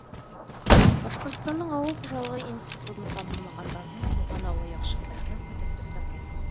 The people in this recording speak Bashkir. Башҡортостандың ауыл хужалығы институтын тамамлағандан һуң, тыуған ауылы Яҡшембәткә ҡайтып төпләнгән.